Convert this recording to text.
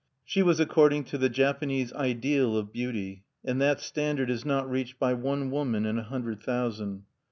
She was according to the Japanese ideal of beauty; and that standard is not reached by one woman in a hundred thousand.